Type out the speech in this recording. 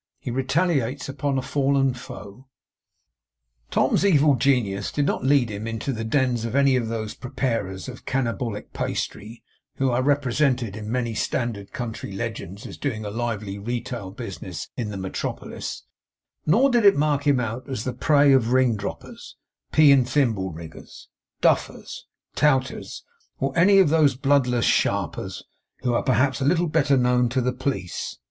HE RETALIATES UPON A FALLEN FOE Tom's evil genius did not lead him into the dens of any of those preparers of cannibalic pastry, who are represented in many standard country legends as doing a lively retail business in the Metropolis; nor did it mark him out as the prey of ring droppers, pea and thimble riggers, duffers, touters, or any of those bloodless sharpers, who are, perhaps, a little better known to the Police.